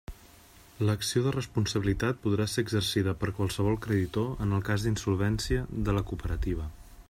L'acció de responsabilitat podrà ser exercida per qualsevol creditor en el cas d'insolvència de la cooperativa.